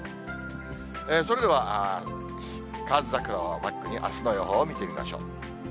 それでは河津桜をバックに、あすの予報を見てみましょう。